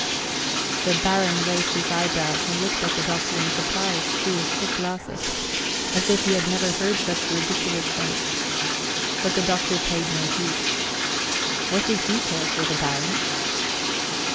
The Baron raised his eyebrows and looked at the Doctor in surprise through his thick glasses, as if he had never heard such ridiculous things. But the Doctor paid no heed. What did he care for the Baron?